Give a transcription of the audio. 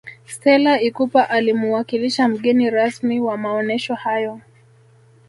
stella ikupa alimuwakilisha mgeni rasmi wa maonesho hayo